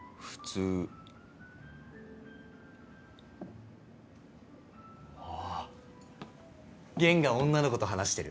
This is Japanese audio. うわぁ弦が女の子と話してる。